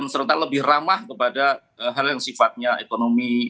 serta lebih ramah kepada hal yang sifatnya ekonomi